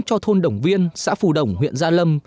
cho thôn đồng viên xã phù đồng huyện gia lâm